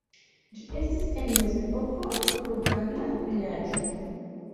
Ĝi estis en mezepoko rumana vilaĝo.